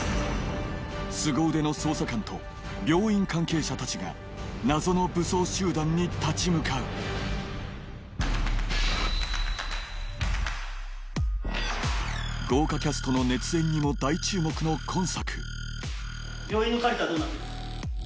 スゴ腕の捜査官と病院関係者たちが謎の武装集団に立ち向かう豪華キャストの熱演にも大注目の今作病院のカルテはどうなってる？